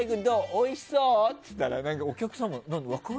おいしそう？って聞いたらお客さんが何だ？